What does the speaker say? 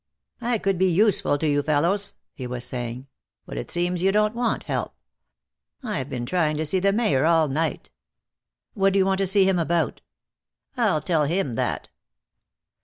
"I could be useful to you fellows," he was saying, "but it seems you don't want help. I've been trying to see the Mayor all night." "What do you want to see him about?" "I'll tell him that."